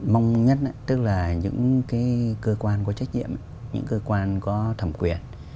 mong nhất tức là những cái cơ quan có trách nhiệm những cơ quan có thẩm quyền